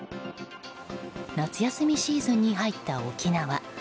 夏休みシーズンに入った沖縄。